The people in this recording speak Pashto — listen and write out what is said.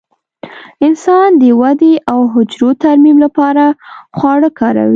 انسان د ودې او حجرو ترمیم لپاره خواړه کاروي.